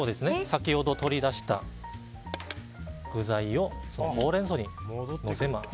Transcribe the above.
先ほど取り出した具材をホウレンソウにのせます。